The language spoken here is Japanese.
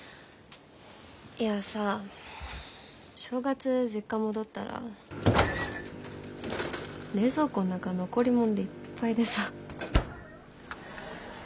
いやさ正月実家戻ったら冷蔵庫の中残りもんでいっぱいでさ。